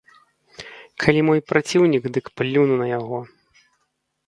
Калі мой праціўнік, дык плюну на яго.